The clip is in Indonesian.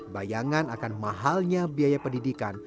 bayangan akan mahalnya biaya pendidikan